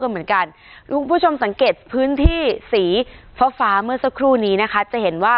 เหมือนกันคุณผู้ชมสังเกตพื้นที่สีฟ้าฟ้าเมื่อสักครู่นี้นะคะจะเห็นว่า